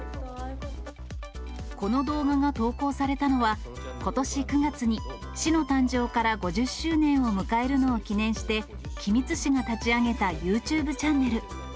この動画が投稿されたのは、ことし９月に市の誕生から５０周年を迎えるのを記念して、君津市が立ち上げたユーチューブチャンネル。